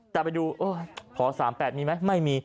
แต่ไปดูขอ๓๘มีไหมไม่มี